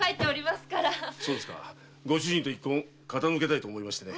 ご主人と一献傾けたいと思いましてね。